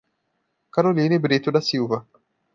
Caroline Brito da Silva